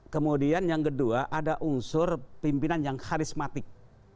kemudian yang kedua ada unsur pimpinan yang karismatik